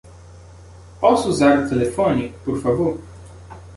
Posso usar o telefone, por favor?